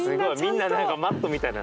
みんな何かマットみたいな。